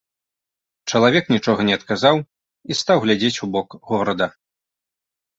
Чалавек нічога не адказаў і стаў глядзець у бок горада.